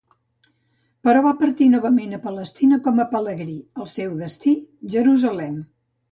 Però va partir novament a Palestina com a pelegrí, el seu destí; Jerusalem.